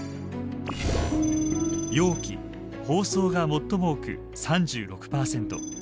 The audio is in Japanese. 容器・包装が最も多く３６％。